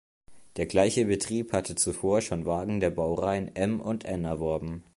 Der gleiche Betrieb hatte zuvor schon Wagen der Baureihen "M" und "N" erworben.